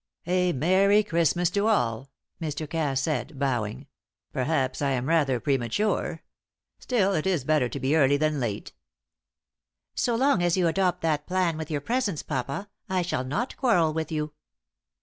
"A merry Christmas to all," Mr. Cass said, bowing. "Perhaps I am rather premature; still, it is better to be early than late." "So long as you adopt that plan with your presents, papa, I shall not quarrel with you."